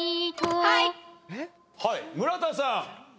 はい村田さん。